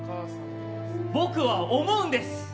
僕は思うんです。